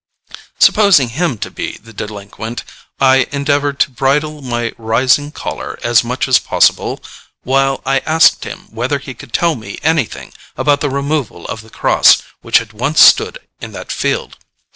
Supposing him to be the delinquent, I endeavoured to bridle my rising choler as much as possible, while I asked him whether he could tell me anything about the removal of the cross which had once stood in that field.